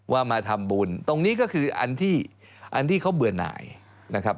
มาทำบุญตรงนี้ก็คืออันที่อันที่เขาเบื่อหน่ายนะครับ